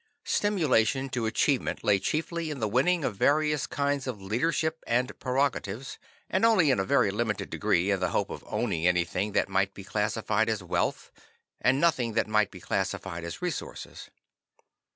Stimulation to achievement lay chiefly in the winning of various kinds of leadership and prerogatives, and only in a very limited degree in the hope of owning anything that might be classified as "wealth," and nothing that might be classified as "resources."